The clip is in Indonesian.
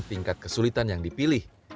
tingkat kesulitan yang dipilih